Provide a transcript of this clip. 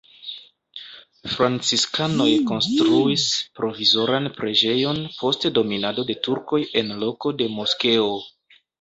Franciskanoj konstruis provizoran preĝejon post dominado de turkoj en loko de moskeo.